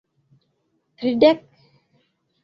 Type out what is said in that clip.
tridek